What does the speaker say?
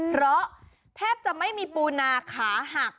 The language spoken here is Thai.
เพราะแทบจะไม่มีปูนาขาหัก